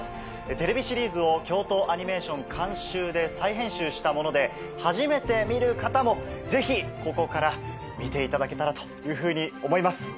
テレビシリーズを京都アニメーション監修で再編集したもので初めて見る方もぜひここから見ていただけたらというふうに思います。